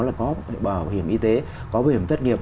là có bảo hiểm y tế có bảo hiểm thất nghiệp